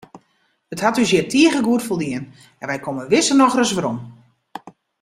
It hat ús hjir tige goed foldien en wy komme wis noch ris werom.